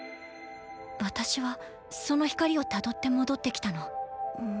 私はその光をたどって戻って来たの。